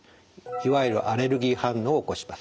いわゆるアレルギー反応を起こします。